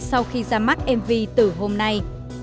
sau khi ra mắt mv từ hôm nay